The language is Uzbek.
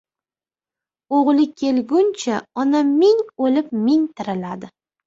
Oʻgʻli kelguncha ona ming oʻlib, ming tiriladi.